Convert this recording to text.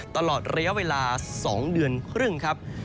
ตลอดระยะเวลา๒เดือนครึ่งครับ